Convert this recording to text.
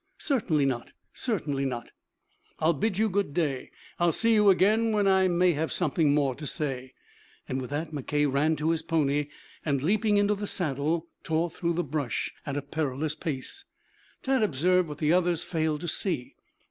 "Certainly not, certainly not." "I will bid you good day. I'll see you again when I may have something more to say." With that McKay ran to his pony, and leaping into the saddle tore through the brush at a perilous pace. Tad observed what the others failed to see.